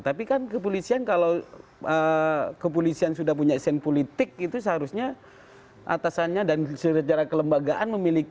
tapi kan kepolisian kalau kepolisian sudah punya esen politik itu seharusnya atasannya dan secara kelembagaan memiliki